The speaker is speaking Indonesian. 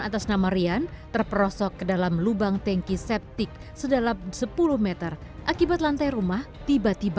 atas nama rian terperosok ke dalam lubang tanki septik sedalam sepuluh meter akibat lantai rumah tiba tiba